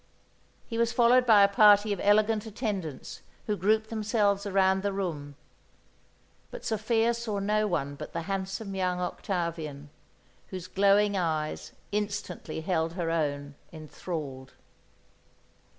He was followed by a party of elegant attendants, who grouped themselves around the room; but Sophia saw no one but the handsome young Octavian, whose glowing eyes instantly held her own enthralled.